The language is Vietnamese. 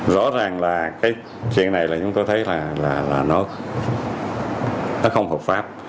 rõ ràng là cái chuyện này là chúng tôi thấy là nó không hợp pháp